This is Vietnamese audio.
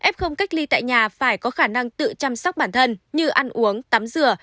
f cách ly tại nhà phải có khả năng tự chăm sóc bản thân như ăn uống tắm rửa